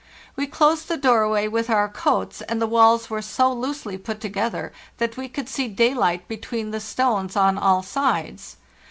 We closed the doorway with our coats, and the walls were so loosely put together that we could see day light between the stones on all sides.